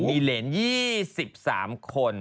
มีเหรียญ๒๓คน